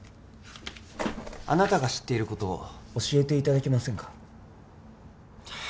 あなたが知っていることを教えていただけませんか？